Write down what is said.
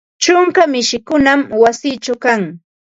Ćhunka mishikunam wasiićhaw kan